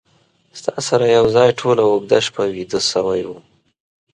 ستا سره یو ځای ټوله اوږده شپه ویده شوی وم